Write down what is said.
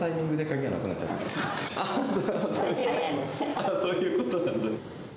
ああ、そういうことなんだ。